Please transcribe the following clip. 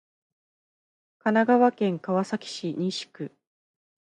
神奈川県川崎市西区